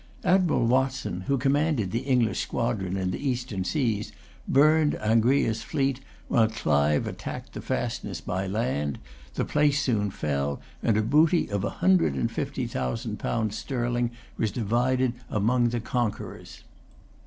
Admiral Watson, who commanded the English squadron in the Eastern seas, burned Angria's fleet, while Clive attacked the fastness by land. The place soon fell, and a booty of a hundred and fifty thousand pounds sterling was divided among the conquerors.